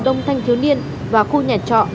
đông thanh thiếu niên và khu nhà trọ